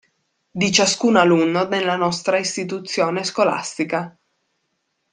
Di ciascun alunno nella nostra istituzione scolastica.